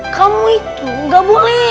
kamu itu gak boleh